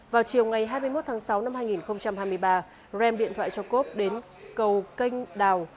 vào chiều ngày hai mươi một tháng sáu năm hai nghìn hai mươi ba rem điện thoại cho cope đến cầu canh đào